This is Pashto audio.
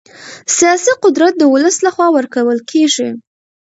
سیاسي قدرت د ولس له خوا ورکول کېږي